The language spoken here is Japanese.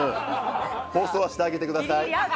放送はしてあげてください。